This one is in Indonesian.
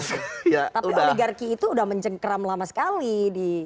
tapi oligarki itu udah mencengkram lama sekali